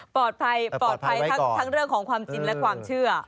ปลอดภัยปลอดภัยทั้งเรื่องของความจริงและความเชื่อ